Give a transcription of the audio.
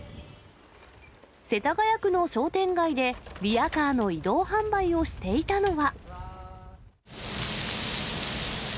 世田谷区の商店街で、リヤカーの移動販売をしていたのは。